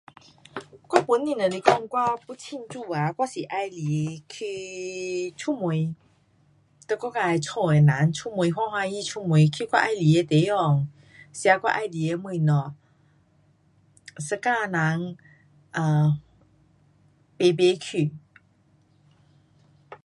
我本身如果说我要庆祝啊，我是喜欢去出门，跟我自己家的人欢欢喜出门去我喜欢的地方。吃我喜欢的东西。一家人啊排排去。